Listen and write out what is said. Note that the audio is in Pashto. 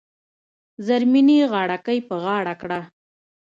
زرمینې غاړه ګۍ په غاړه کړه .